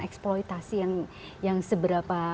eksploitasi yang seberapa